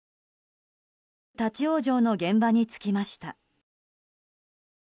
立ち往生の現場に着きました。